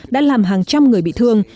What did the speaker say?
đã làm hàng trăm người bị thương